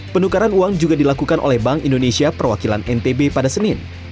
penukaran uang juga dilakukan oleh bank indonesia perwakilan ntb pada senin